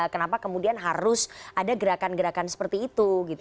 kenapa kemudian harus ada gerakan gerakan seperti itu gitu